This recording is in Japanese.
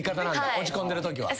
落ち込んでるときは。